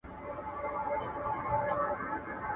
هغه شملې ته پیدا سوی سر په کاڼو ولي.